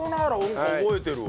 これ覚えてるわ。